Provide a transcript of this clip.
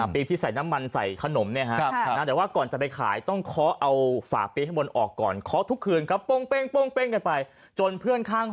ไปรับซื้อเอง